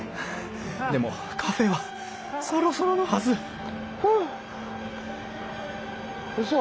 でもカフェはそろそろのはずうそ！？